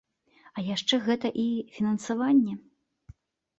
А яшчэ гэта і фінансаванне.